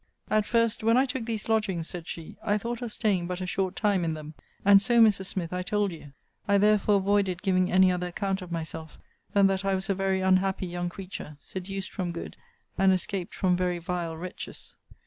'At first when I took these lodgings, said she, I thought of staying but a short time in them; and so Mrs. Smith, I told you: I therefore avoided giving any other account of myself than that I was a very unhappy young creature, seduced from good, and escaped from very vile wretches.